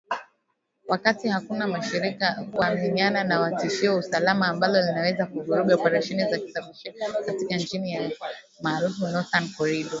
Wakati hakuna ushahidi wa kuaminika wa tishio la usalama ambalo linaweza kuvuruga operesheni za usafirishaji katika njia ya kaskazini maarufu kama “Northern Corridor”